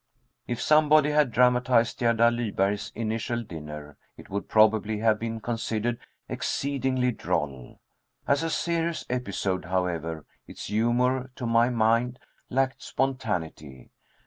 If somebody had dramatized Gerda Lyberg's initial dinner, it would probably have been considered exceedingly droll. As a serious episode, however, its humor, to my mind, lacked spontaneity.